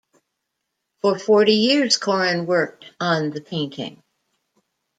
For forty years Korin worked on the painting.